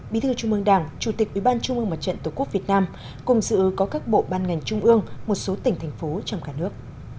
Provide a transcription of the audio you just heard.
bí thư trung mương đảng chủ tịch ủy ban trung ương mặt trận tổ quốc việt nam cùng dự có các bộ ban ngành trung ương một số tỉnh thành phố trong cả nước